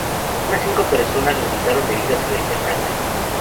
Unas cinco personas resultaron heridas en el percance.